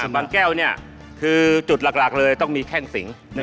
บางแก้วคือจุดหลักเลยต้องมีแข้งสิง